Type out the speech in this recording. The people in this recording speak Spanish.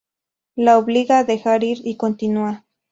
La obliga a dejar ir y continúa.